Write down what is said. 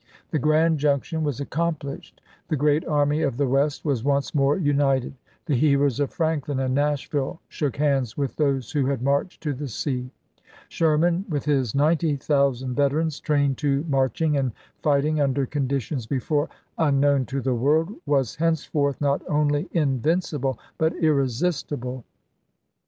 The grand junction was accomplished, the great Army of the West was once more united; the heroes of Franklin and Nashville shook hands with those who had marched to the sea. Sherman, with his 90,000 veterans, trained to marching and fight ing under conditions before unknown to the world, was henceforth not only invincible, but irresistible.